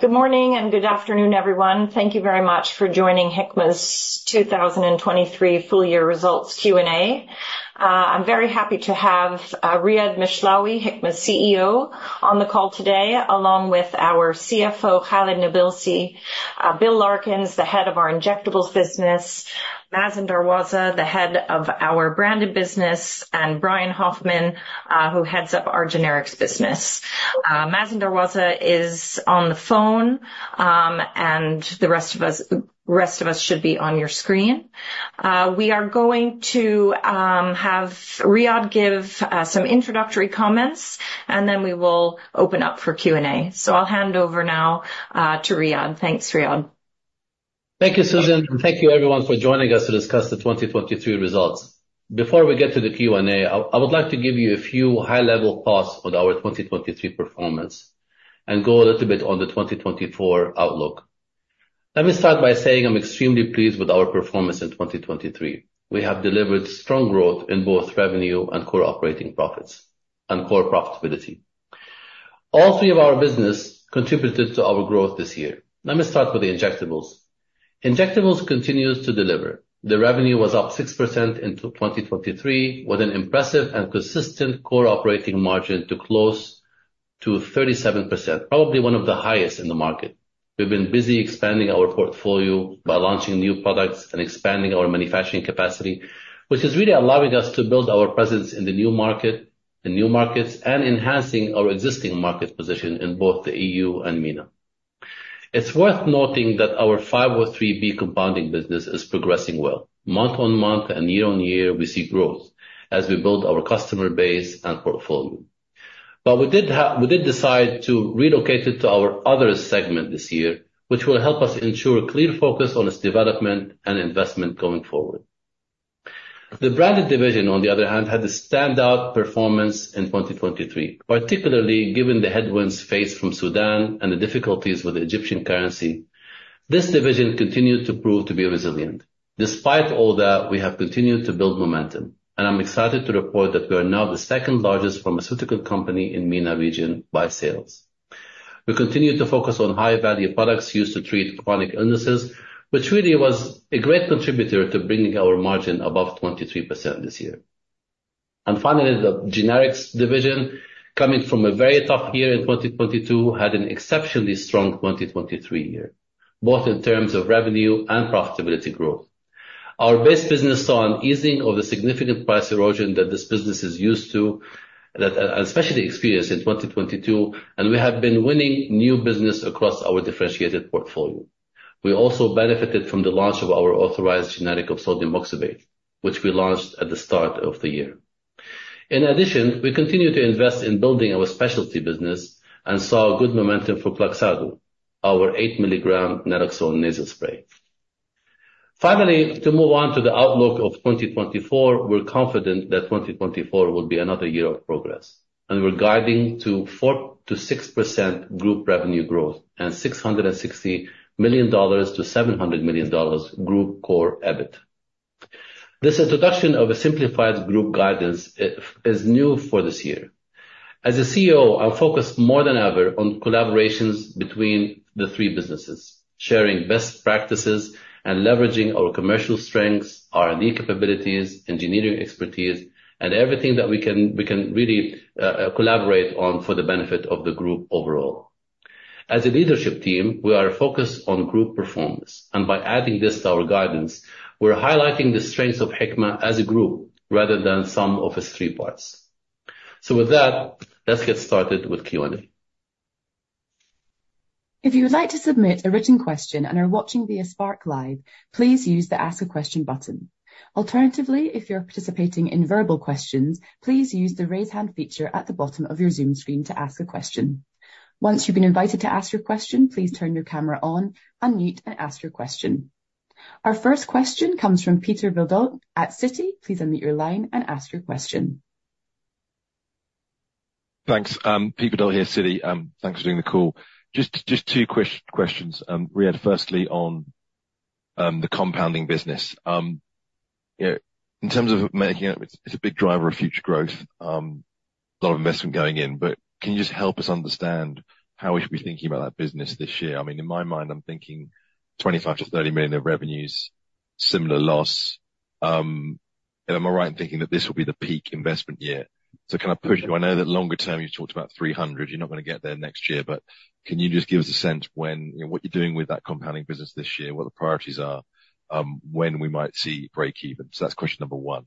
Good morning and good afternoon, everyone. Thank you very much for joining Hikma's 2023 full-year results Q&A. I'm very happy to have Riad Mishlawi, Hikma's CEO, on the call today, along with our CFO Khalid Nabilsi, Bill Larkins, the head of our injectables business, Mazen Darwazah, the head of our branded business, and Brian Hoffmann, who heads up our generics business. Mazen Darwazah is on the phone, and the rest of us should be on your screen. We are going to have Riad give some introductory comments, and then we will open up for Q&A. So I'll hand over now to Riad. Thanks, Riad. Thank you, Susan, and thank you, everyone, for joining us to discuss the 2023 results. Before we get to the Q&A, I would like to give you a few high-level thoughts on our 2023 performance and go a little bit on the 2024 outlook. Let me start by saying I'm extremely pleased with our performance in 2023. We have delivered strong growth in both revenue and core operating profits and core profitability. All three of our business contributed to our growth this year. Let me start with the injectables. Injectables continues to deliver. The revenue was up 6% in 2023 with an impressive and consistent core operating margin to close to 37%, probably one of the highest in the market. We've been busy expanding our portfolio by launching new products and expanding our manufacturing capacity, which is really allowing us to build our presence in the new markets and enhancing our existing market position in both the EU and MENA. It's worth noting that our 503B Compounding business is progressing well. Month-on-month and year-on-year, we see growth as we build our customer base and portfolio. But we did decide to relocate it to our other segment this year, which will help us ensure clear focus on its development and investment going forward. The branded division, on the other hand, had a standout performance in 2023, particularly given the headwinds faced from Sudan and the difficulties with the Egyptian currency. This division continued to prove to be resilient. Despite all that, we have continued to build momentum, and I'm excited to report that we are now the second-largest pharmaceutical company in the MENA region by sales. We continue to focus on high-value products used to treat chronic illnesses, which really was a great contributor to bringing our margin above 23% this year. And finally, the generics division, coming from a very tough year in 2022, had an exceptionally strong 2023 year, both in terms of revenue and profitability growth. Our base business saw an easing of the significant price erosion that this business is used to and especially experienced in 2022, and we have been winning new business across our differentiated portfolio. We also benefited from the launch of our authorized generic of sodium oxybate, which we launched at the start of the year. In addition, we continue to invest in building our specialty business and saw good momentum for Kloxxado, our 8 mg naloxone nasal spray. Finally, to move on to the outlook of 2024, we're confident that 2024 will be another year of progress, and we're guiding to 4%-6% group revenue growth and $660 million-$700 million group Core EBIT. This introduction of a simplified group guidance is new for this year. As a CEO, I'm focused more than ever on collaborations between the three businesses, sharing best practices and leveraging our commercial strengths, R&D capabilities, engineering expertise, and everything that we can really collaborate on for the benefit of the group overall. As a leadership team, we are focused on group performance, and by adding this to our guidance, we're highlighting the strengths of Hikma as a group rather than some of its three parts. With that, let's get started with Q&A. If you would like to submit a written question and are watching via SparkLive, please use the Ask a Question button. Alternatively, if you're participating in verbal questions, please use the raise hand feature at the bottom of your Zoom screen to ask a question. Once you've been invited to ask your question, please turn your camera on and mute and ask your question. Our first question comes from Peter Verdult at Citi. Please unmute your line and ask your question. Thanks. Peter Verdult here, Citi. Thanks for doing the call. Just two questions, Riad. First, on the compounding business. In terms of making it, it's a big driver of future growth, a lot of investment going in. But can you just help us understand how we should be thinking about that business this year? I mean, in my mind, I'm thinking $25 million-$30 million of revenues, similar loss. Am I right in thinking that this will be the peak investment year? So kind of push you, I know that longer term, you've talked about $300 million. You're not going to get there next year. But can you just give us a sense what you're doing with that compounding business this year, what the priorities are, when we might see break-even? So that's question number one.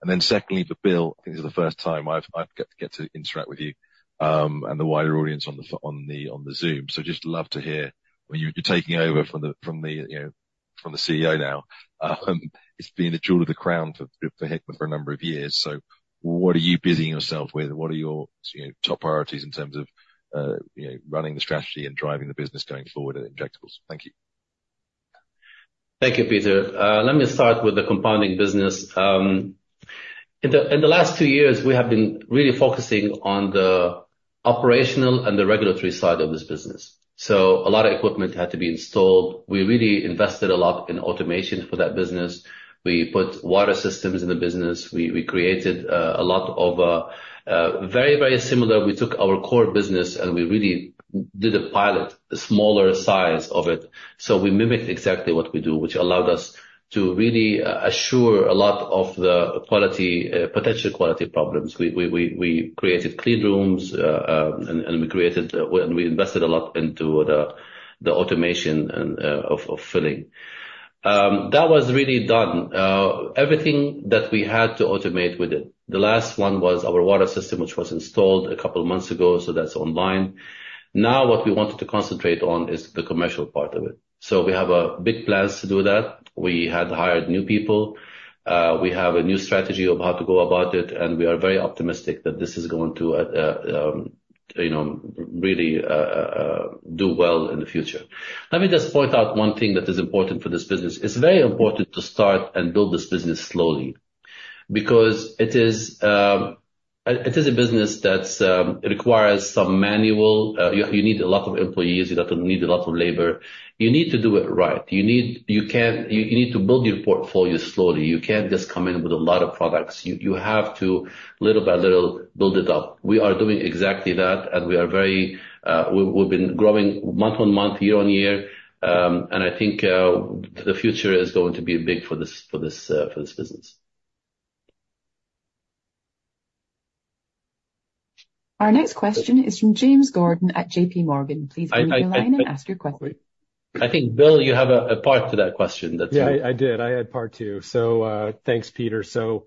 And then, secondly, for Bill, I think this is the first time I've got to interact with you and the wider audience on the Zoom. So just love to hear when you're taking over from the CEO now. It's been the jewel of the crown for Hikma for a number of years. So what are you busying yourself with? What are your top priorities in terms of running the strategy and driving the business going forward at injectables? Thank you. Thank you, Peter. Let me start with the compounding business. In the last two years, we have been really focusing on the operational and the regulatory side of this business. So a lot of equipment had to be installed. We really invested a lot in automation for that business. We put water systems in the business. We created a lot of very, very similar. We took our core business and we really did a pilot, a smaller size of it. So we mimicked exactly what we do, which allowed us to really assure a lot of the potential quality problems. We created clean rooms and we invested a lot into the automation of filling. That was really done. Everything that we had to automate with it. The last one was our water system, which was installed a couple of months ago, so that's online. Now what we wanted to concentrate on is the commercial part of it. We have big plans to do that. We had hired new people. We have a new strategy of how to go about it, and we are very optimistic that this is going to really do well in the future. Let me just point out one thing that is important for this business. It's very important to start and build this business slowly because it is a business that requires some manual. You need a lot of employees. You need a lot of labor. You need to do it right. You need to build your portfolio slowly. You can't just come in with a lot of products. You have to, little by little, build it up. We are doing exactly that, and we've been growing month-over-month, year-over-year. I think the future is going to be big for this business. Our next question is from James Gordon at JPMorgan. Please unmute your line and ask your question. I think, Bill, you have a part to that question that's. Yeah, I did. I had part too. So thanks, Peter. So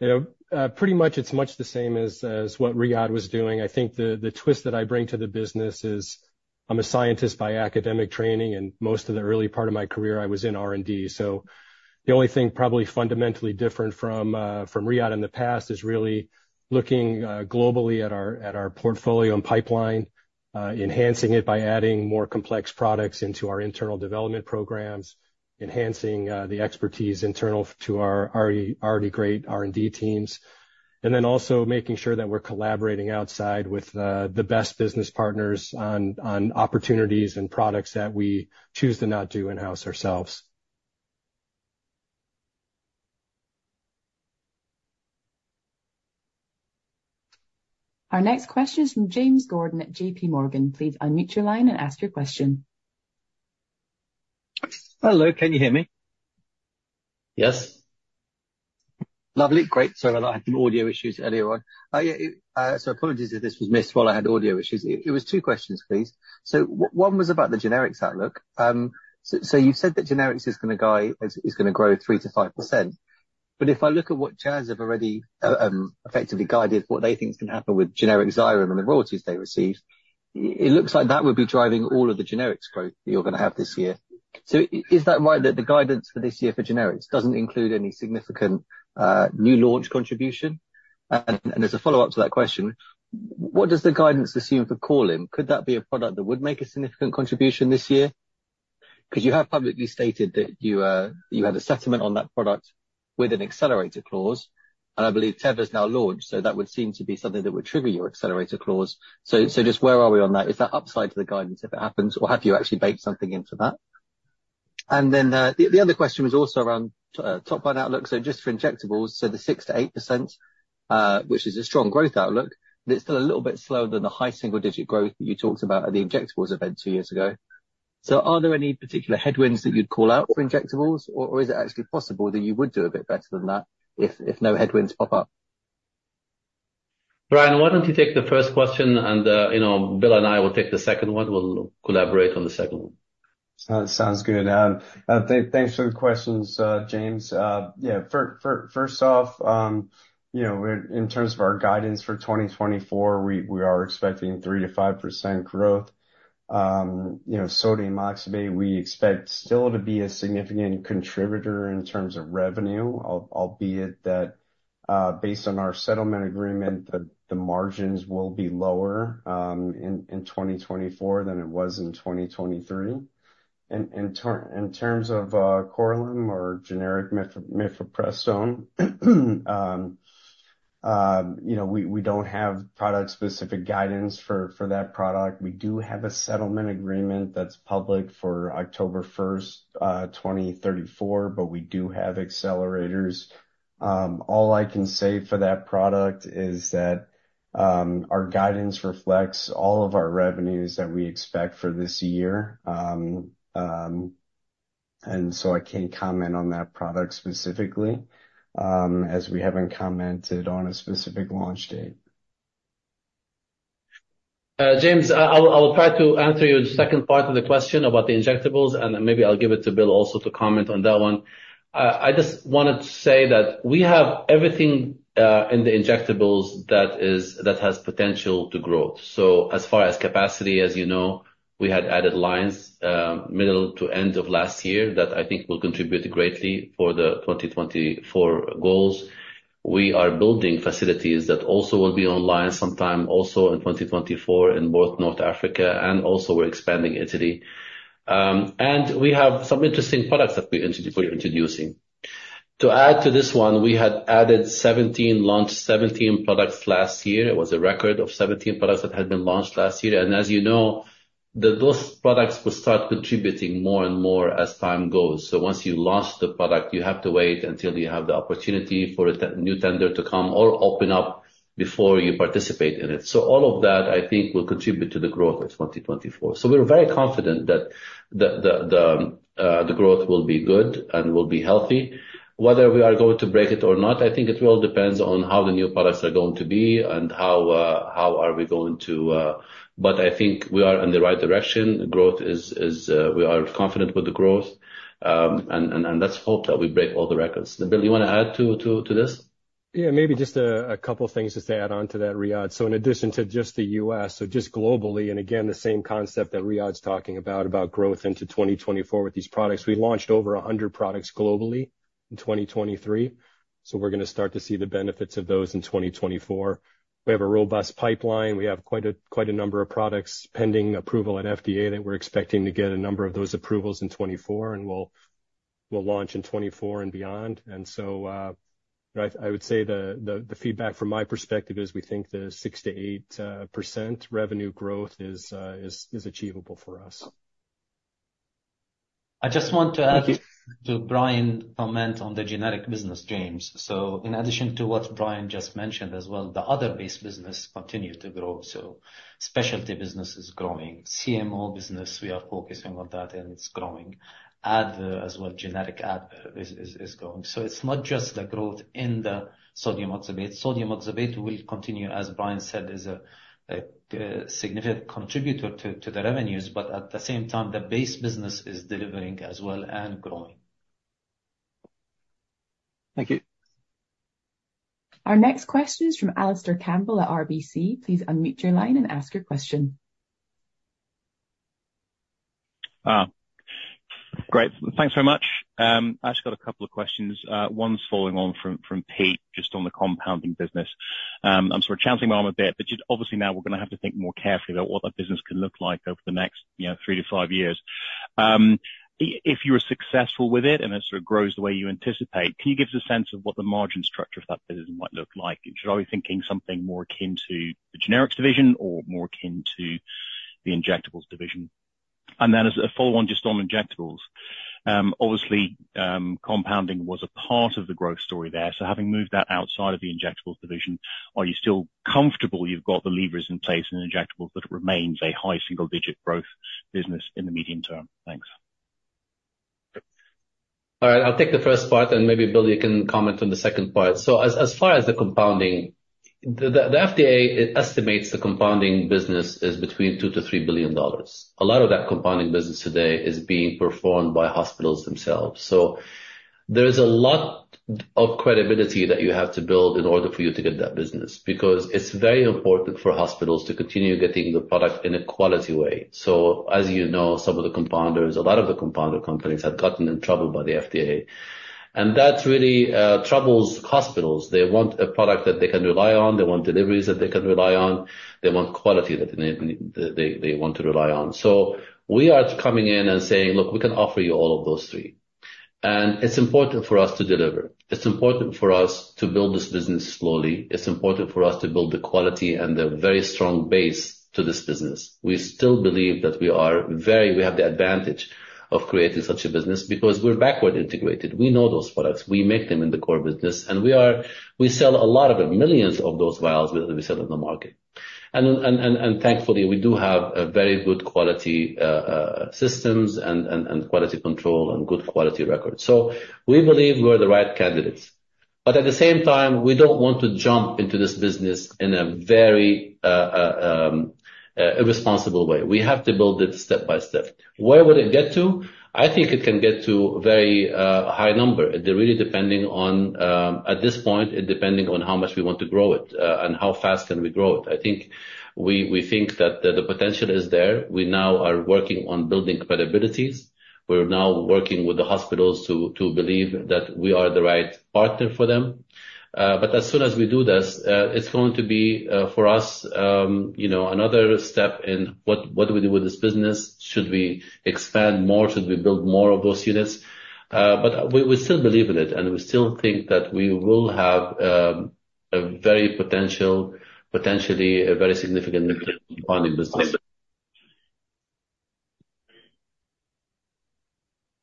pretty much, it's much the same as what Riad was doing. I think the twist that I bring to the business is I'm a scientist by academic training, and most of the early part of my career, I was in R&D. So the only thing probably fundamentally different from Riad in the past is really looking globally at our portfolio and pipeline, enhancing it by adding more complex products into our internal development programs, enhancing the expertise internal to our already great R&D teams, and then also making sure that we're collaborating outside with the best business partners on opportunities and products that we choose to not do in-house ourselves. Our next question is from James Gordon at JPMorgan. Please unmute your line and ask your question. Hello. Can you hear me? Yes. Lovely. Great. Sorry about that. I had some audio issues earlier on. So apologies if this was missed while I had audio issues. It was two questions, please. So one was about the generics outlook. So you've said that generics is going to grow 3%-5%. But if I look at what Jazz have already effectively guided what they think is going to happen with generic Xyrem and the royalties they receive, it looks like that would be driving all of the generics growth that you're going to have this year. So is that right that the guidance for this year for generics doesn't include any significant new launch contribution? And as a follow-up to that question, what does the guidance assume for Korlym? Could that be a product that would make a significant contribution this year? Because you have publicly stated that you had a settlement on that product with an accelerator clause, and I believe Teva has now launched, so that would seem to be something that would trigger your accelerator clause. So just where are we on that? Is that upside to the guidance if it happens, or have you actually baked something into that? And then the other question was also around top-line outlook. So just for injectables, so the 6%-8%, which is a strong growth outlook, but it's still a little bit slower than the high single-digit growth that you talked about at the injectables event two years ago. So are there any particular headwinds that you'd call out for injectables, or is it actually possible that you would do a bit better than that if no headwinds pop up? Brian, why don't you take the first question, and Bill and I will take the second one. We'll collaborate on the second one. Sounds good. Thanks for the questions, James. Yeah, first off, in terms of our guidance for 2024, we are expecting 3%-5% growth. Sodium Oxybate, we expect still to be a significant contributor in terms of revenue, albeit that based on our settlement agreement, the margins will be lower in 2024 than it was in 2023. In terms of Korlym or generic mifepristone, we don't have product-specific guidance for that product. We do have a settlement agreement that's public for October 1st, 2034, but we do have accelerators. All I can say for that product is that our guidance reflects all of our revenues that we expect for this year. And so I can't comment on that product specifically as we haven't commented on a specific launch date. James, I will try to answer you the second part of the question about the injectables, and maybe I'll give it to Bill also to comment on that one. I just wanted to say that we have everything in the injectables that has potential to growth. So as far as capacity, as you know, we had added lines middle to end of last year that I think will contribute greatly for the 2024 goals. We are building facilities that also will be online sometime also in 2024 in both North Africa, and also we're expanding Italy. And we have some interesting products that we're introducing. To add to this one, we had added 17 products last year. It was a record of 17 products that had been launched last year. And as you know, those products will start contributing more and more as time goes. So once you launch the product, you have to wait until you have the opportunity for a new tender to come or open up before you participate in it. So all of that, I think, will contribute to the growth of 2024. So we're very confident that the growth will be good and will be healthy. Whether we are going to break it or not, I think it all depends on how the new products are going to be and how are we going to but I think we are in the right direction. We are confident with the growth, and let's hope that we break all the records. Bill, you want to add to this? Yeah, maybe just a couple of things just to add on to that, Riad. So in addition to just the US, so just globally, and again, the same concept that Riad is talking about, about growth into 2024 with these products, we launched over 100 products globally in 2023. So we're going to start to see the benefits of those in 2024. We have a robust pipeline. We have quite a number of products pending approval at FDA that we're expecting to get a number of those approvals in 2024, and we'll launch in 2024 and beyond. And so I would say the feedback from my perspective is we think the 6%-8% revenue growth is achievable for us. I just want to ask Brian comment on the generic business, James. So in addition to what Brian just mentioned as well, the other base business continues to grow. So specialty business is growing. CMO business, we are focusing on that, and it's growing. API as well, generic API is growing. So it's not just the growth in the sodium oxybate. Sodium oxybate will continue, as Brian said, is a significant contributor to the revenues, but at the same time, the base business is delivering as well and growing. Thank you. Our next question is from Alastair Campbell at RBC. Please unmute your line and ask your question. Great. Thanks very much. I actually got a couple of questions. One's following on from Pete just on the compounding business. I'm sort of chancing my arm a bit, but obviously, now we're going to have to think more carefully about what that business can look like over the next 3-5 years. If you were successful with it and it sort of grows the way you anticipate, can you give us a sense of what the margin structure of that business might look like? Should I be thinking something more akin to the generics division or more akin to the injectables division? And then as a follow-on just on injectables, obviously, compounding was a part of the growth story there. So having moved that outside of the injectables division, are you still comfortable you've got the levers in place in injectables that it remains a high single-digit growth business in the medium term? Thanks. All right. I'll take the first part, and maybe, Bill, you can comment on the second part. So as far as the compounding, the FDA estimates the compounding business is between $2-$3 billion. A lot of that compounding business today is being performed by hospitals themselves. So there is a lot of credibility that you have to build in order for you to get that business because it's very important for hospitals to continue getting the product in a quality way. So as you know, some of the compounders, a lot of the compounder companies have gotten in trouble by the FDA, and that really troubles hospitals. They want a product that they can rely on. They want deliveries that they can rely on. They want quality that they want to rely on. So we are coming in and saying, "Look, we can offer you all of those three." And it's important for us to deliver. It's important for us to build this business slowly. It's important for us to build the quality and the very strong base to this business. We still believe that we have the advantage of creating such a business because we're backward integrated. We know those products. We make them in the core business, and we sell a lot of them, millions of those vials that we sell in the market. And thankfully, we do have very good quality systems and quality control and good quality records. So we believe we're the right candidates. But at the same time, we don't want to jump into this business in a very irresponsible way. We have to build it step by step. Where would it get to? I think it can get to a very high number. At this point, it's depending on how much we want to grow it and how fast can we grow it. I think we think that the potential is there. We now are working on building credibilities. We're now working with the hospitals to believe that we are the right partner for them. But as soon as we do this, it's going to be for us another step in what do we do with this business? Should we expand more? Should we build more of those units? But we still believe in it, and we still think that we will have a very potentially significant compounding business.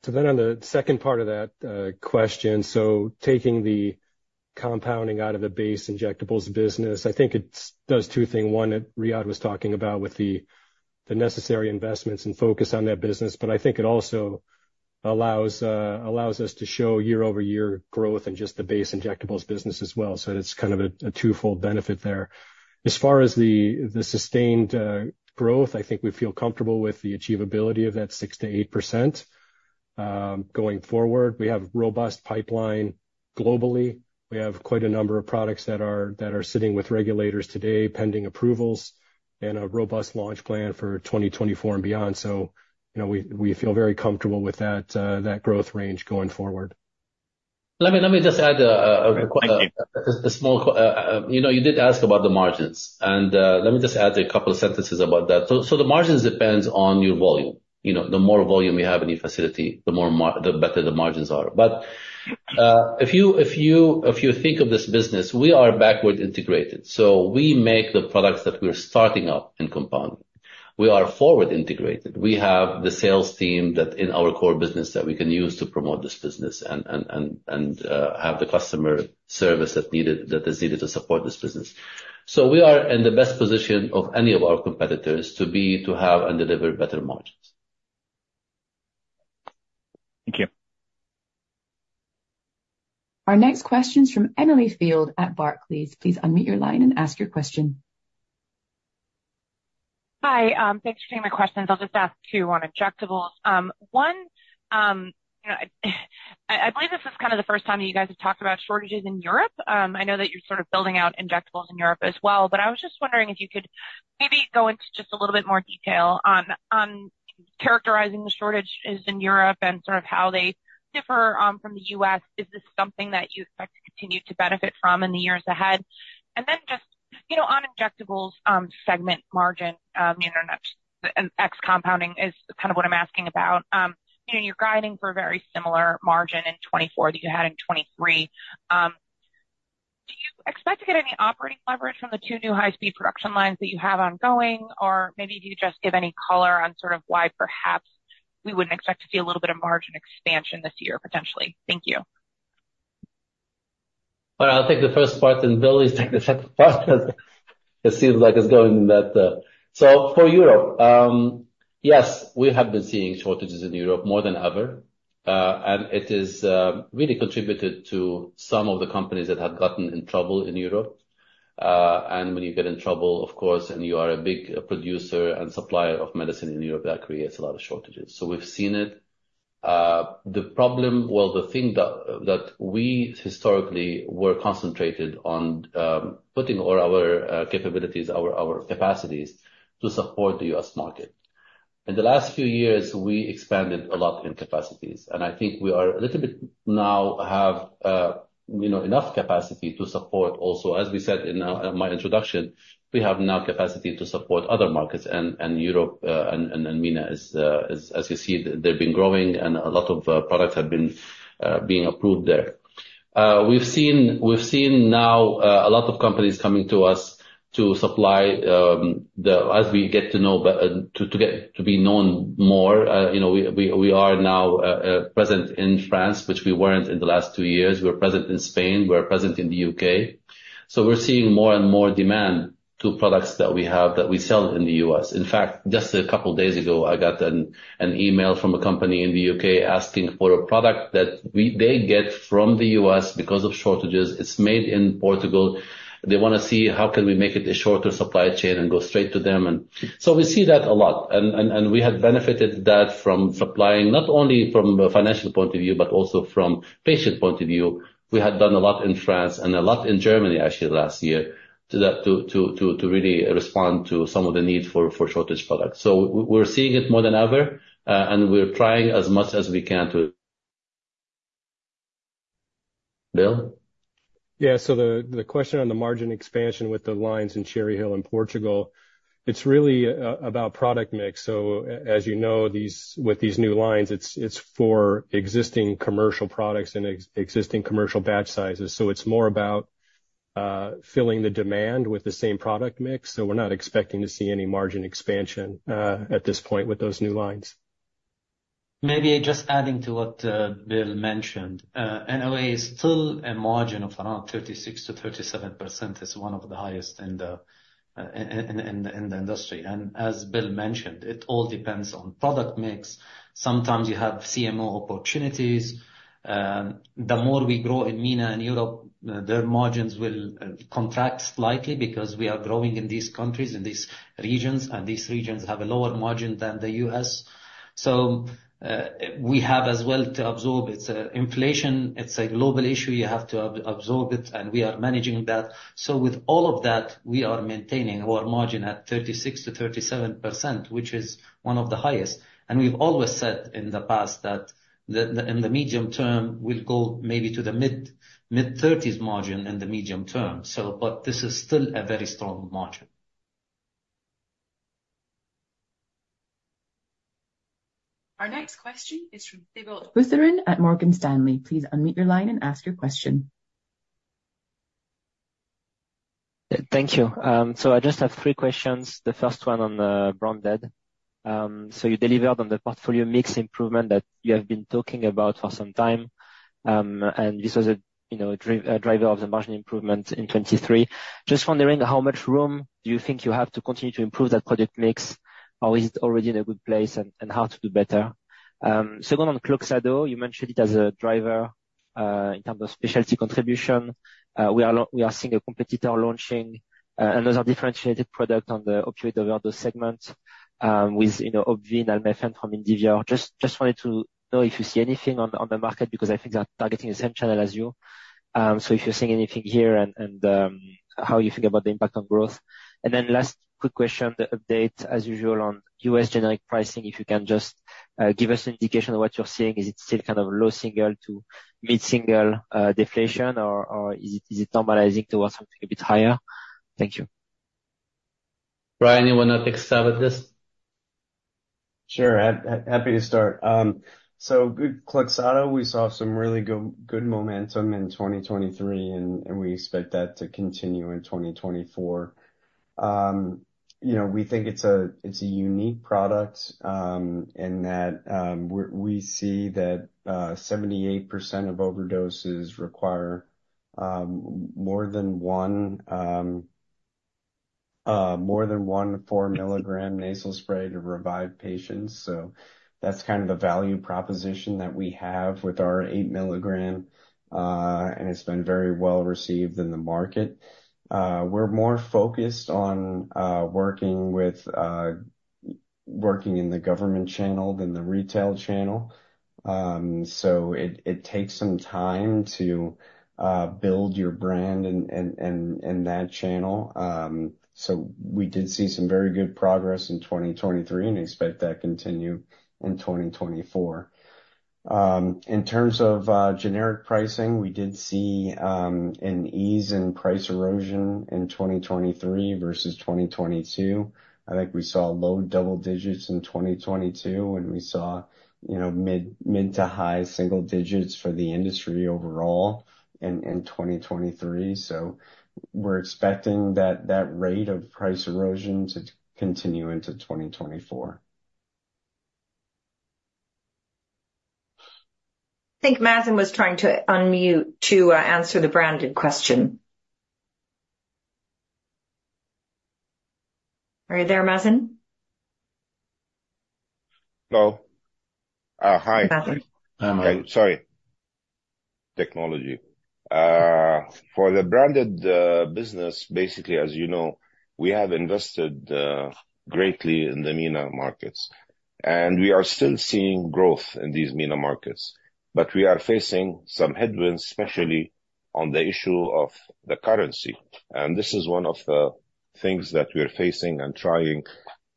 So then on the second part of that question, so taking the compounding out of the base injectables business, I think it does two things. One, Riad was talking about with the necessary investments and focus on that business, but I think it also allows us to show year-over-year growth in just the base injectables business as well. So it's kind of a twofold benefit there. As far as the sustained growth, I think we feel comfortable with the achievability of that 6%-8% going forward. We have a robust pipeline globally. We have quite a number of products that are sitting with regulators today, pending approvals, and a robust launch plan for 2024 and beyond. So we feel very comfortable with that growth range going forward. Let me just add, as you did ask about the margins, and let me just add a couple of sentences about that. So the margins depend on your volume. The more volume you have in your facility, the better the margins are. But if you think of this business, we are backward integrated. So we make the products that we're starting up and compounding. We are forward integrated. We have the sales team in our core business that we can use to promote this business and have the customer service that is needed to support this business. So we are in the best position of any of our competitors to have and deliver better margins. Thank you. Our next question is from Emily Field at Barclays. Please unmute your line and ask your question. Hi. Thanks for taking my questions. I'll just ask two on injectables. One, I believe this is kind of the first time that you guys have talked about shortages in Europe. I know that you're sort of building out injectables in Europe as well, but I was just wondering if you could maybe go into just a little bit more detail on characterizing the shortages in Europe and sort of how they differ from the U.S. Is this something that you expect to continue to benefit from in the years ahead? And then just on injectables segment margin, 503B compounding is kind of what I'm asking about. You're guiding for a very similar margin in 2024 that you had in 2023. Do you expect to get any operating leverage from the two new high-speed production lines that you have ongoing, or maybe do you just give any color on sort of why perhaps we wouldn't expect to see a little bit of margin expansion this year, potentially? Thank you. Well, I'll take the first part, and Bill, you take the second part because it seems like it's going in that direction. So for Europe, yes, we have been seeing shortages in Europe more than ever, and it has really contributed to some of the companies that have gotten in trouble in Europe. And when you get in trouble, of course, and you are a big producer and supplier of medicine in Europe, that creates a lot of shortages. So we've seen it. Well, the thing that we historically were concentrated on putting all our capabilities, our capacities to support the U.S. market. In the last few years, we expanded a lot in capacities, and I think we are a little bit now have enough capacity to support also. As we said in my introduction, we have now capacity to support other markets, and Europe, and MENA, as you see, they've been growing, and a lot of products have been being approved there. We've seen now a lot of companies coming to us to supply as we get to know to be known more. We are now present in France, which we weren't in the last two years. We're present in Spain. We're present in the UK. So we're seeing more and more demand to products that we have that we sell in the US. In fact, just a couple of days ago, I got an email from a company in the UK asking for a product that they get from the US because of shortages. It's made in Portugal. They want to see how can we make it a shorter supply chain and go straight to them. And so we see that a lot, and we had benefited from supplying not only from a financial point of view but also from a patient point of view. We had done a lot in France and a lot in Germany, actually, last year to really respond to some of the need for shortage products. So we're seeing it more than ever, and we're trying as much as we can to. Bill? Yeah. So the question on the margin expansion with the lines in Cherry Hill in Portugal, it's really about product mix. So as you know, with these new lines, it's for existing commercial products and existing commercial batch sizes. So it's more about filling the demand with the same product mix. So we're not expecting to see any margin expansion at this point with those new lines. Maybe just adding to what Bill mentioned, NOA is still a margin of around 36%-37%, one of the highest in the industry. As Bill mentioned, it all depends on product mix. Sometimes you have CMO opportunities. The more we grow in MENA and Europe, their margins will contract slightly because we are growing in these countries, in these regions, and these regions have a lower margin than the US. So we have as well to absorb. It's inflation. It's a global issue. You have to absorb it, and we are managing that. So with all of that, we are maintaining our margin at 36%-37%, which is one of the highest. We've always said in the past that in the medium term, we'll go maybe to the mid-30s margin in the medium term. But this is still a very strong margin. Our next question is from Thibault Bousserie at Morgan Stanley. Please unmute your line and ask your question. Thank you. I just have three questions. The first one on the branded. You delivered on the portfolio mix improvement that you have been talking about for some time, and this was a driver of the margin improvement in 2023. Just wondering, how much room do you think you have to continue to improve that product mix, or is it already in a good place, and how to do better? Second, on Kloxxado, you mentioned it as a driver in terms of specialty contribution. We are seeing a competitor launching another differentiated product on the opioid overdose segment with Opvee and nalmefene from Indivior. Just wanted to know if you see anything on the market because I think they're targeting the same channel as you. So if you're seeing anything here and how you think about the impact on growth. Last quick question, the update, as usual, on U.S. generic pricing, if you can just give us an indication of what you're seeing. Is it still kind of low single to mid-single deflation, or is it normalizing towards something a bit higher? Thank you. Brian, you want to take a stab at this? Sure. Happy to start. So with Kloxxado, we saw some really good momentum in 2023, and we expect that to continue in 2024. We think it's a unique product in that we see that 78% of overdoses require more than one 4-mg nasal spray to revive patients. So that's kind of the value proposition that we have with our 8-mg, and it's been very well received in the market. We're more focused on working in the government channel than the retail channel. So it takes some time to build your brand in that channel. So we did see some very good progress in 2023 and expect that to continue in 2024. In terms of generic pricing, we did see an ease in price erosion in 2023 versus 2022. I think we saw low double digits in 2022, and we saw mid to high single digits for the industry overall in 2023. So we're expecting that rate of price erosion to continue into 2024. I think Mazen was trying to unmute to answer the branded question. Are you there, Mazen? Hello. Hi. Mazen. I'm on. Sorry. Technology. For the branded business, basically, as you know, we have invested greatly in the MENA markets, and we are still seeing growth in these MENA markets. But we are facing some headwinds, especially on the issue of the currency. And this is one of the things that we're facing and trying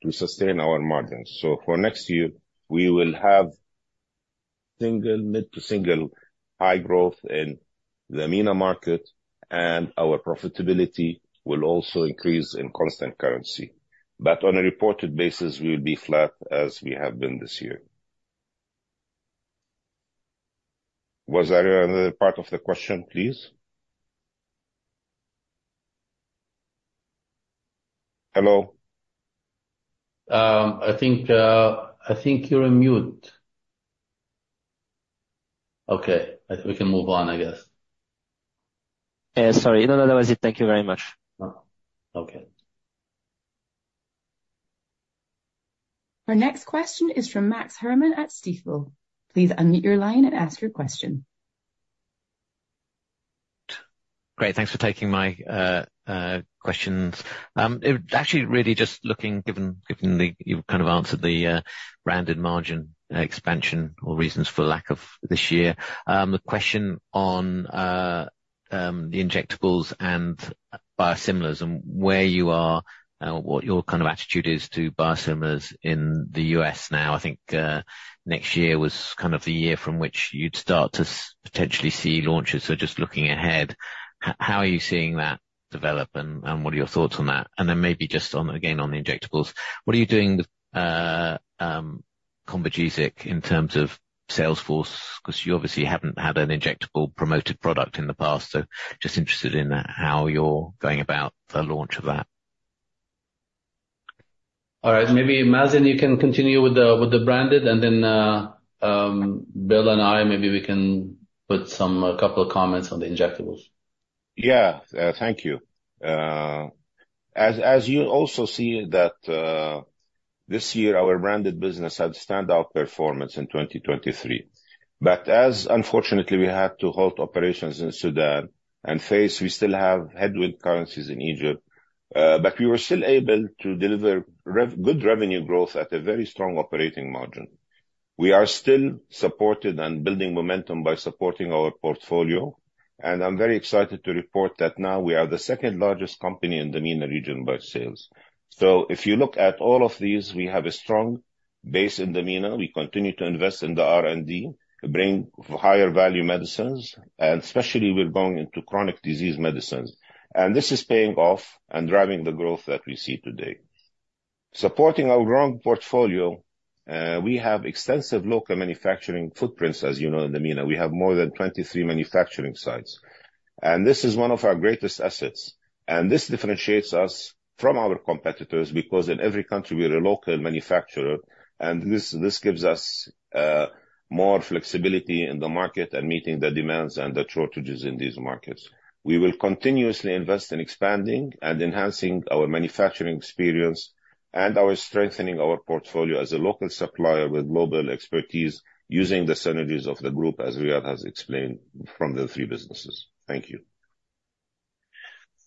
to sustain our margins. So for next year, we will have mid- to high-single growth in the MENA market, and our profitability will also increase in constant currency. But on a reported basis, we will be flat as we have been this year. Was there another part of the question, please? Hello? I think you're on mute. Okay. We can move on, I guess. Sorry. No, no, that was it. Thank you very much. Okay. Our next question is from Max Herrmann at Stifel. Please unmute your line and ask your question. Great. Thanks for taking my questions. Actually, really just looking, given you've kind of answered the branded margin expansion or reasons for lack of this year. The question on the injectables and biosimilars and where you are and what your kind of attitude is to biosimilars in the U.S. now. I think next year was kind of the year from which you'd start to potentially see launches. So just looking ahead, how are you seeing that develop, and what are your thoughts on that? And then maybe just again on the injectables, what are you doing with COMBIGESIC in terms of sales force? Because you obviously haven't had an injectable promoted product in the past, so just interested in how you're going about the launch of that. All right. Maybe, Mazen, you can continue with the branded, and then Bill and I, maybe we can put a couple of comments on the injectables. Yeah. Thank you. As you also see that this year, our branded business had standout performance in 2023. But unfortunately, we had to halt operations in Sudan and we still have currency headwinds in Egypt, but we were still able to deliver good revenue growth at a very strong operating margin. We are still supported and building momentum by supporting our portfolio. And I'm very excited to report that now we are the second-largest company in the MENA region by sales. So if you look at all of these, we have a strong base in the MENA. We continue to invest in the R&D, bring higher-value medicines, and especially, we're going into chronic disease medicines. And this is paying off and driving the growth that we see today. Supporting our growing portfolio, we have extensive local manufacturing footprints, as you know, in the MENA. We have more than 23 manufacturing sites. This is one of our greatest assets. This differentiates us from our competitors because in every country, we're a local manufacturer, and this gives us more flexibility in the market and meeting the demands and the shortages in these markets. We will continuously invest in expanding and enhancing our manufacturing experience and strengthening our portfolio as a local supplier with global expertise using the synergies of the group, as Riad has explained from the three businesses. Thank you.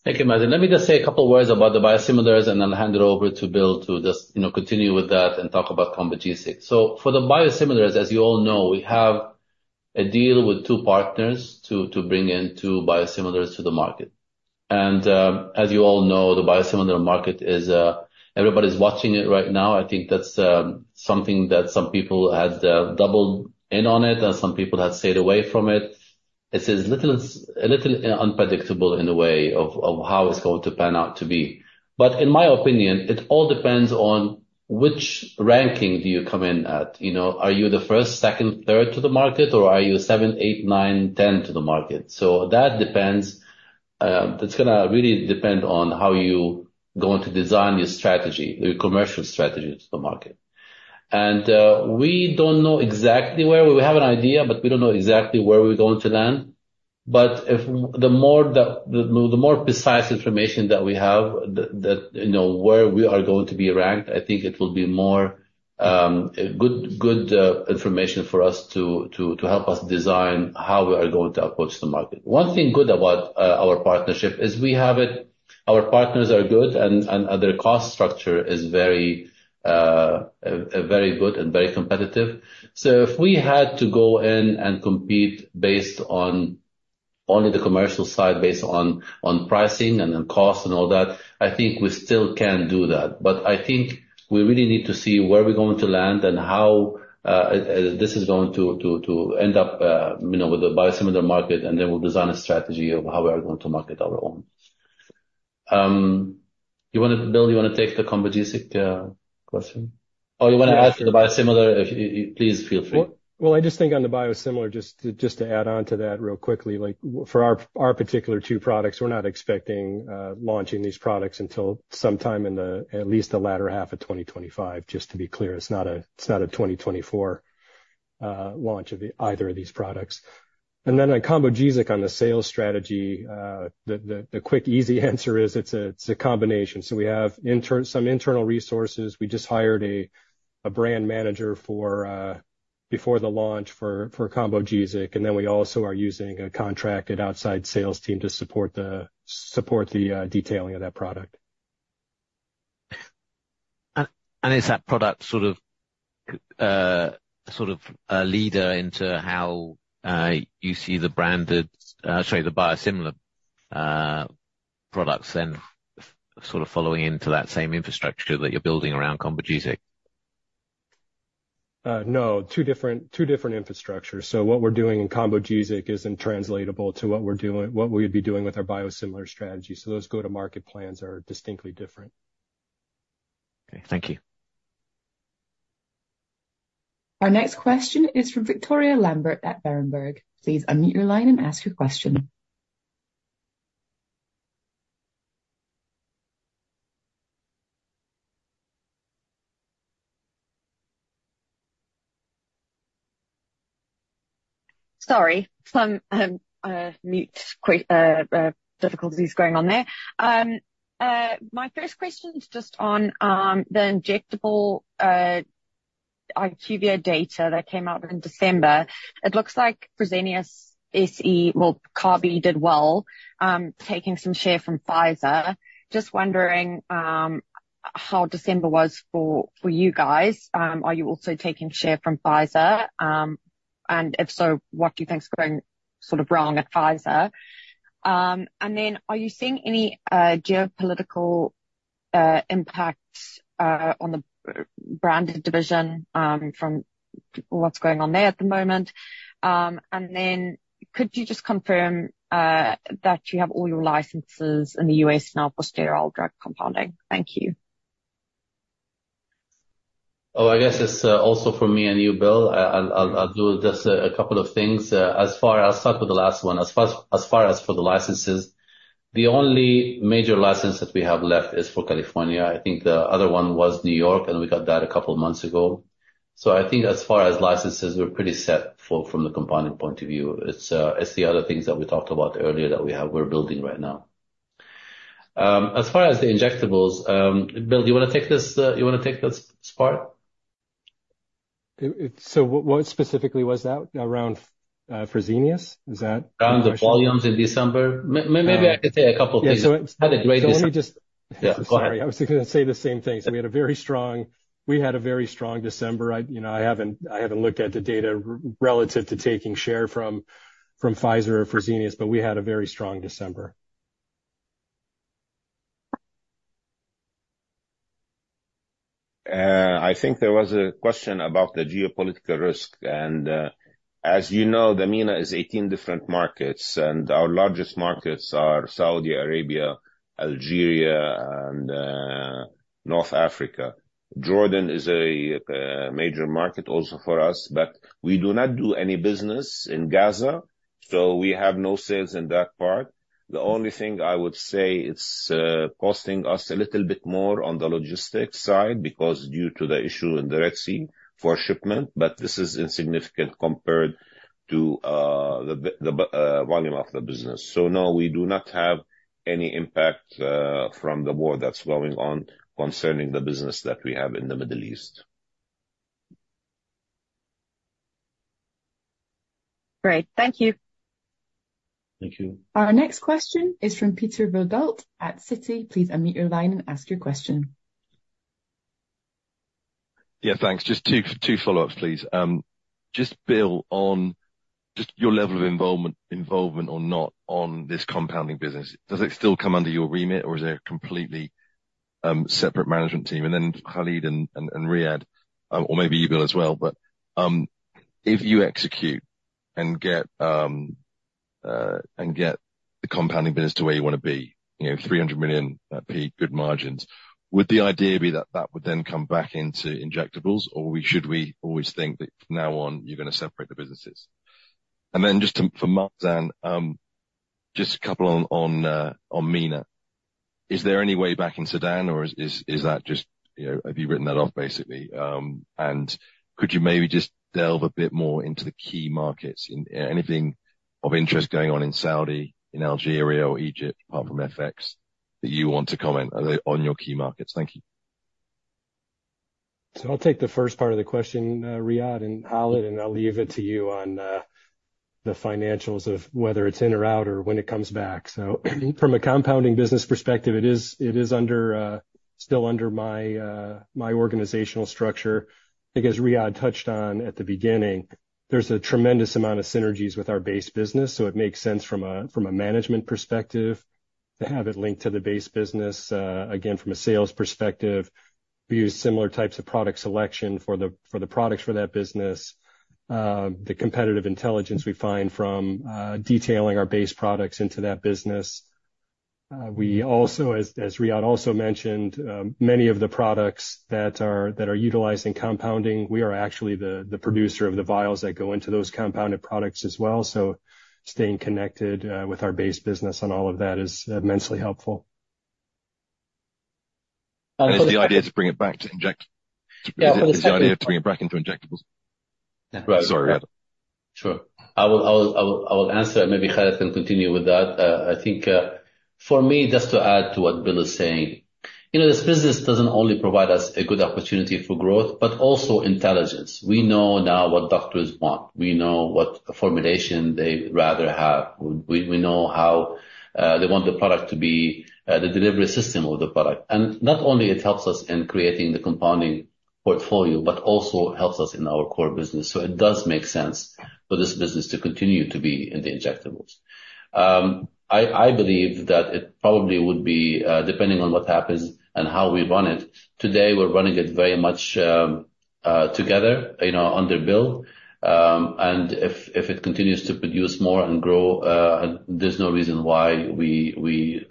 Thank you, Mazen. Let me just say a couple of words about the biosimilars, and then hand it over to Bill to just continue with that and talk about COMBIGESIC. So for the biosimilars, as you all know, we have a deal with 2 partners to bring in 2 biosimilars to the market. And as you all know, the biosimilar market is everybody's watching it right now. I think that's something that some people had doubled down on it, and some people had stayed away from it. It's a little unpredictable in a way of how it's going to pan out to be. But in my opinion, it all depends on which ranking do you come in at. Are you the first, second, third to the market, or are you 7, 8, 9, 10 to the market? So that depends. It's going to really depend on how you're going to design your strategy, your commercial strategy to the market. And we don't know exactly where we have an idea, but we don't know exactly where we're going to land. But the more precise information that we have where we are going to be ranked, I think it will be more good information for us to help us design how we are going to approach the market. One thing good about our partnership is we have it our partners are good, and their cost structure is very good and very competitive. So if we had to go in and compete based on only the commercial side, based on pricing and cost and all that, I think we still can do that. But I think we really need to see where we're going to land and how this is going to end up with the biosimilar market, and then we'll design a strategy of how we are going to market our own. You want to, Bill, you want to take the COMBIGESIC question? Oh, you want to add to the biosimilar? Please feel free. Well, I just think on the biosimilar, just to add on to that real quickly, for our particular two products, we're not expecting launching these products until sometime in at least the latter half of 2025. Just to be clear, it's not a 2024 launch of either of these products. And then on COMBIGESIC, on the sales strategy, the quick, easy answer is it's a combination. So we have some internal resources. We just hired a brand manager before the launch for COMBIGESIC, and then we also are using a contracted outside sales team to support the detailing of that product. Is that product sort of a leader into how you see the branded sorry, the biosimilar products then sort of following into that same infrastructure that you're building around COMBIGESIC? No. Two different infrastructures. So what we're doing in COMBIGESIC isn't translatable to what we'd be doing with our biosimilar strategy. So those go-to-market plans are distinctly different. Okay. Thank you. Our next question is from Victoria Lambert at Berenberg. Please unmute your line and ask your question. Sorry. Some mute difficulties going on there. My first question is just on the injectable IQVIA data that came out in December. It looks like Fresenius Kabi did well, taking some share from Pfizer. Just wondering how December was for you guys. Are you also taking share from Pfizer? And if so, what do you think's going sort of wrong at Pfizer? And then are you seeing any geopolitical impacts on the branded division from what's going on there at the moment? And then could you just confirm that you have all your licenses in the U.S. now for sterile drug compounding? Thank you. Oh, I guess it's also for me and you, Bill. I'll do just a couple of things. I'll start with the last one. As far as for the licenses, the only major license that we have left is for California. I think the other one was New York, and we got that a couple of months ago. So I think as far as licenses, we're pretty set from the compounding point of view. It's the other things that we talked about earlier that we're building right now. As far as the injectables, Bill, do you want to take this part? So what specifically was that? Around Fresenius? Is that? Around the volumes in December? Maybe I could say a couple of things. We had a great December. Yeah. So, let me just, sorry. I was going to say the same thing. So we had a very strong December. I haven't looked at the data relative to taking share from Pfizer or Fresenius, but we had a very strong December. I think there was a question about the geopolitical risk. And as you know, the MENA is 18 different markets, and our largest markets are Saudi Arabia, Algeria, and North Africa. Jordan is a major market also for us, but we do not do any business in Gaza, so we have no sales in that part. The only thing I would say, it's costing us a little bit more on the logistics side because due to the issue in the Red Sea for shipment, but this is insignificant compared to the volume of the business. So no, we do not have any impact from the war that's going on concerning the business that we have in the Middle East. Great. Thank you. Thank you. Our next question is from Peter Verdult at Citi. Please unmute your line and ask your question. Yeah. Thanks. Just two follow-ups, please. Just Bill, on just your level of involvement or not on this compounding business, does it still come under your remit, or is it a completely separate management team? And then Khalid and Riad, or maybe you, Bill, as well. But if you execute and get the compounding business to where you want to be, $300 million peak good margins, would the idea be that that would then come back into injectables, or should we always think that from now on, you're going to separate the businesses? And then just for Mazen, just a couple on MENA. Is there any way back in Sudan, or is that just have you written that off, basically? Could you maybe just delve a bit more into the key markets, anything of interest going on in Saudi, in Algeria, or Egypt, apart from FX, that you want to comment on your key markets? Thank you. I'll take the first part of the question, Riad and Khalid, and I'll leave it to you on the financials of whether it's in or out or when it comes back. From a compounding business perspective, it is still under my organizational structure. I think as Riad touched on at the beginning, there's a tremendous amount of synergies with our base business. It makes sense from a management perspective to have it linked to the base business. Again, from a sales perspective, we use similar types of product selection for the products for that business, the competitive intelligence we find from detailing our base products into that business. We also, as Riad also mentioned, many of the products that are utilizing compounding, we are actually the producer of the vials that go into those compounded products as well. Staying connected with our base business on all of that is immensely helpful. It's the idea to bring it back to injection? Is it the idea to bring it back into injectables? Sorry, Riad. Sure. I will answer. Maybe Khalid can continue with that. I think for me, just to add to what Bill is saying, this business doesn't only provide us a good opportunity for growth, but also intelligence. We know now what doctors want. We know what formulation they rather have. We know how they want the product to be the delivery system of the product. And not only it helps us in creating the compounding portfolio, but also helps us in our core business. So it does make sense for this business to continue to be in the injectables. I believe that it probably would be depending on what happens and how we run it. Today, we're running it very much together under Bill. If it continues to produce more and grow, there's no reason why we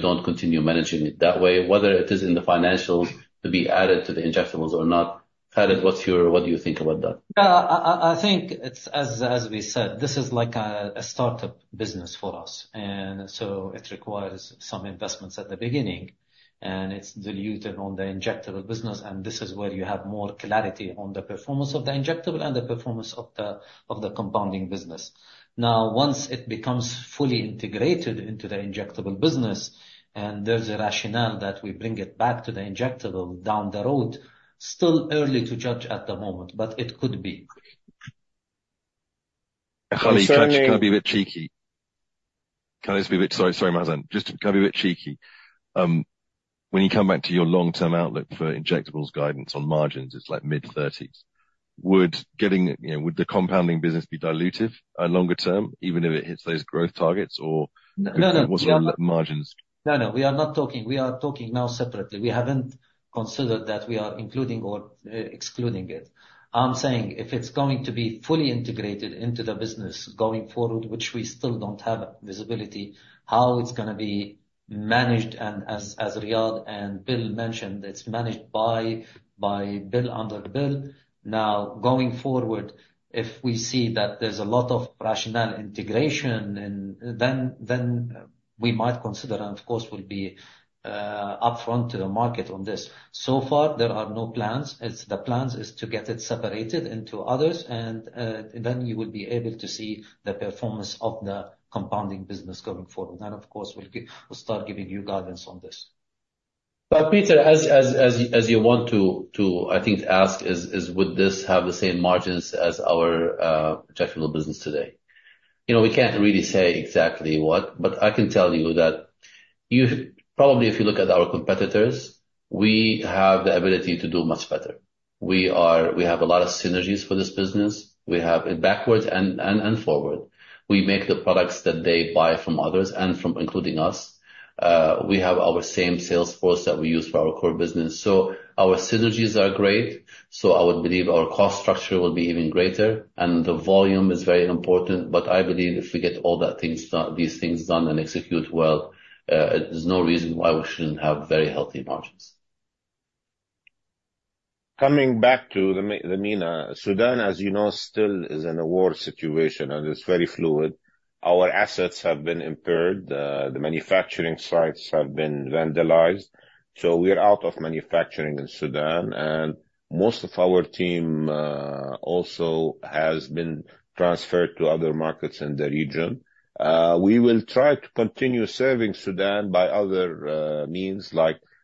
don't continue managing it that way, whether it is in the financials to be added to the injectables or not. Khalid, what do you think about that? Yeah. I think it's as we said, this is like a startup business for us. And so it requires some investments at the beginning, and it's diluted on the injectable business. And this is where you have more clarity on the performance of the injectable and the performance of the compounding business. Now, once it becomes fully integrated into the injectable business and there's a rationale that we bring it back to the injectable down the road, still early to judge at the moment, but it could be. Khalid, can I be a bit cheeky? Can I just be a bit? Sorry, Mazen. Just can I be a bit cheeky? When you come back to your long-term outlook for injectables guidance on margins, it's mid-30s. Would the compounding business be diluted longer term, even if it hits those growth targets, or what sort of margins? No, no, no. We are not talking. We are talking now separately. We haven't considered that we are including or excluding it. I'm saying if it's going to be fully integrated into the business going forward, which we still don't have visibility, how it's going to be managed. And as Riad and Bill mentioned, it's managed by Bill under Bill. Now, going forward, if we see that there's a lot of rationale integration, then we might consider and, of course, will be upfront to the market on this. So far, there are no plans. The plans is to get it separated into others, and then you will be able to see the performance of the compounding business going forward. Then, of course, we'll start giving you guidance on this. But Peter, as you want to, I think, ask, would this have the same margins as our injectable business today? We can't really say exactly what, but I can tell you that probably if you look at our competitors, we have the ability to do much better. We have a lot of synergies for this business. We have it backwards and forward. We make the products that they buy from others and from including us. We have our same sales force that we use for our core business. So our synergies are great. So I would believe our cost structure will be even greater, and the volume is very important. But I believe if we get all these things done and execute well, there's no reason why we shouldn't have very healthy margins. Coming back to the MENA, Sudan, as you know, still is in a war situation, and it's very fluid. Our assets have been impaired. The manufacturing sites have been vandalized. So we're out of manufacturing in Sudan, and most of our team also has been transferred to other markets in the region. We will try to continue serving Sudan by other means.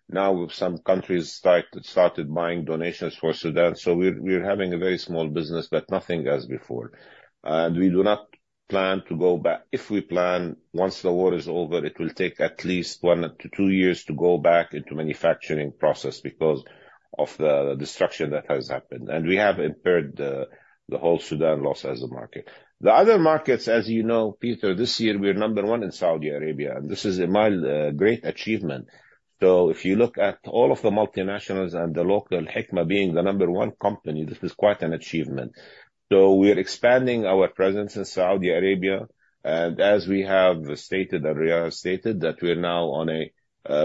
Now, some countries started buying donations for Sudan. So we're having a very small business, but nothing as before. And we do not plan to go back. If we plan, once the war is over, it will take at least 1-2 years to go back into the manufacturing process because of the destruction that has happened. And we have impaired the whole Sudan loss as a market. The other markets, as you know, Peter, this year, we're number one in Saudi Arabia, and this is a great achievement. So if you look at all of the multinationals and the local Hikma being the number one company, this is quite an achievement. So we're expanding our presence in Saudi Arabia. And as we have stated and Riad stated, that we're now on a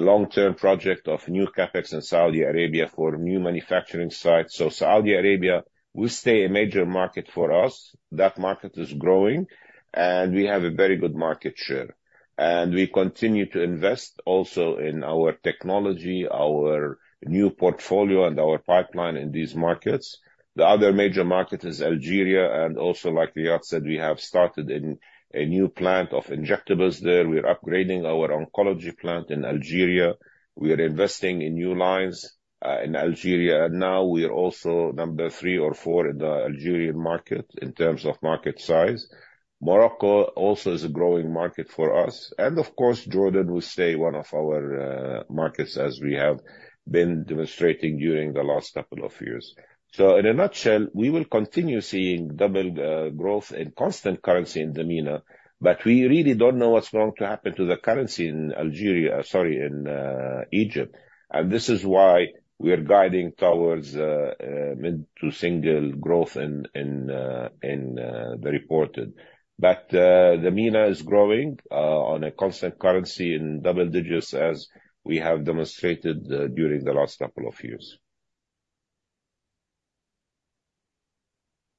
long-term project of new CapEx in Saudi Arabia for new manufacturing sites. So Saudi Arabia will stay a major market for us. That market is growing, and we have a very good market share. And we continue to invest also in our technology, our new portfolio, and our pipeline in these markets. The other major market is Algeria. And also, like Riad said, we have started a new plant of injectables there. We're upgrading our oncology plant in Algeria. We're investing in new lines in Algeria. Now, we're also number 3 or 4 in the Algerian market in terms of market size. Morocco also is a growing market for us. Of course, Jordan will stay one of our markets as we have been demonstrating during the last couple of years. In a nutshell, we will continue seeing double growth in constant currency in the MENA, but we really don't know what's going to happen to the currency in Algeria, sorry, in Egypt. And this is why we're guiding towards mid to single growth in the reported. But the MENA is growing on a constant currency in double digits as we have demonstrated during the last couple of years.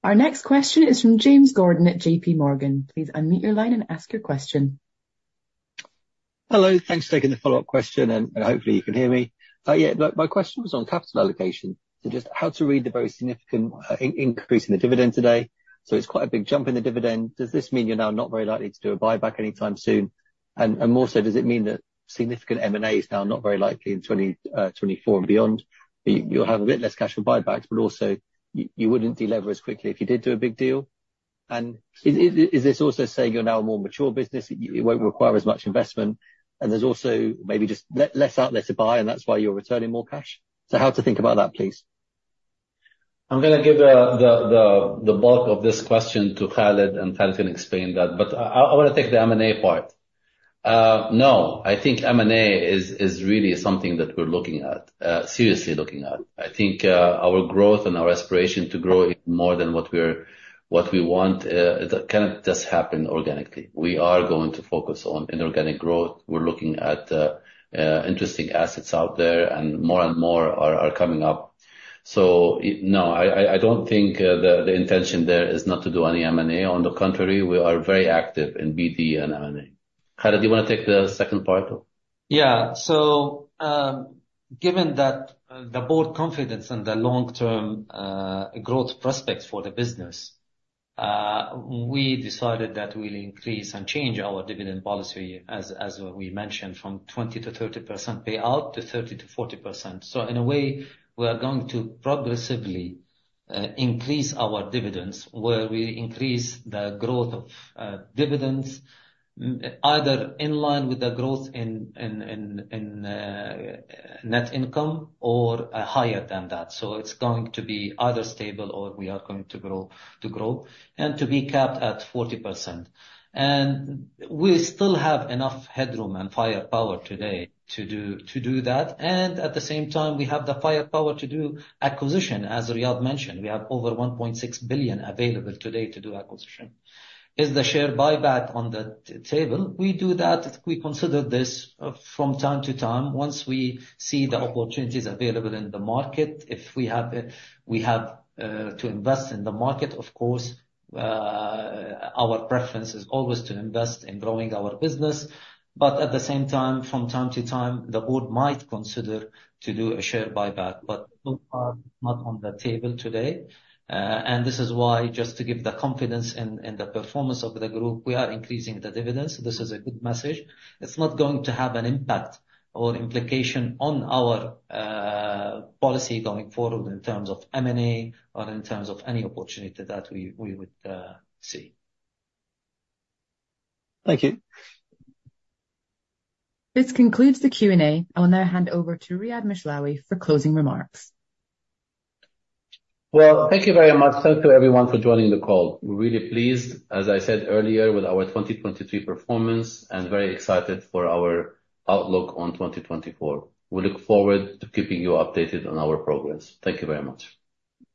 Our next question is from James Gordon at JPMorgan. Please unmute your line and ask your question. Hello. Thanks for taking the follow-up question, and hopefully, you can hear me. Yeah. My question was on capital allocation. Just how to read the very significant increase in the dividend today? It's quite a big jump in the dividend. Does this mean you're now not very likely to do a buyback anytime soon? More so, does it mean that significant M&A is now not very likely in 2024 and beyond? You'll have a bit less cash for buybacks, but also, you wouldn't deliver as quickly if you did do a big deal. Is this also saying you're now a more mature business? It won't require as much investment. There's also maybe just less outlet to buy, and that's why you're returning more cash. How to think about that, please? I'm going to give the bulk of this question to Khalid, and Khalid can explain that. But I want to take the M&A part. No, I think M&A is really something that we're looking at, seriously looking at. I think our growth and our aspiration to grow even more than what we want, it cannot just happen organically. We are going to focus on inorganic growth. We're looking at interesting assets out there, and more and more are coming up. So no, I don't think the intention there is not to do any M&A. On the contrary, we are very active in BD and M&A. Khalid, do you want to take the second part? Yeah. So given the board confidence and the long-term growth prospects for the business, we decided that we'll increase and change our dividend policy, as we mentioned, from 20%-30% payout to 30%-40%. So in a way, we are going to progressively increase our dividends where we increase the growth of dividends either in line with the growth in net income or higher than that. So it's going to be either stable or we are going to grow and to be capped at 40%. And we still have enough headroom and firepower today to do that. And at the same time, we have the firepower to do acquisition. As Riad mentioned, we have over $1.6 billion available today to do acquisition. Is the share buyback on the table? We do that. We consider this from time to time. Once we see the opportunities available in the market, if we have to invest in the market, of course, our preference is always to invest in growing our business. But at the same time, from time to time, the board might consider to do a share buyback, but so far not on the table today. This is why, just to give the confidence in the performance of the group, we are increasing the dividends. This is a good message. It's not going to have an impact or implication on our policy going forward in terms of M&A or in terms of any opportunity that we would see. Thank you. This concludes the Q&A. I'll now hand over to Riad Mishlawi for closing remarks. Well, thank you very much. Thank you, everyone, for joining the call. We're really pleased, as I said earlier, with our 2023 performance and very excited for our outlook on 2024. We look forward to keeping you updated on our progress. Thank you very much.